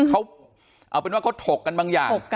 เขาเอาเป็นว่าเขาถกกันบางอย่าง